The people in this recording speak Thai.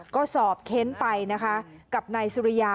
ก็สอบเค้นไปนะคะกับนายสุริยา